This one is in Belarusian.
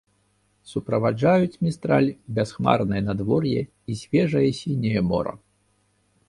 Суправаджаюць містраль бясхмарнае надвор'е і свежае сіняе мора.